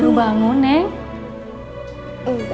kamu juga assimilasikan dirimu sendiri